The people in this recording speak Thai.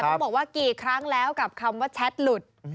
เขาบอกว่ากี่ครั้งแล้วกับคำว่าแชทหลุด